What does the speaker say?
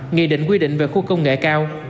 nghị định quy định về khu công nghệ cao